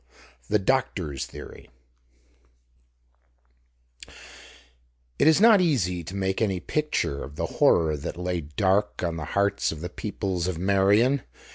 The Doctor's Theory It is not easy to make any picture of the horror that lay dark on the hearts of the people of Meirion.